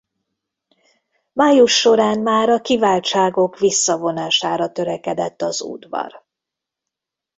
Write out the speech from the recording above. Május során már a kiváltságok visszavonására törekedett az udvar.